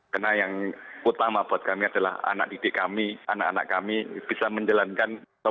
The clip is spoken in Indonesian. karena yang utama buat kami adalah anak anak kami bisa menjalankan proses belajar mengajar berikutnya dengan baik